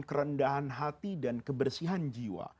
kerendahan hati dan kebersihan jiwa